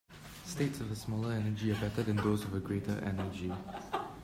States with a smaller energy are better than those with a greater energy.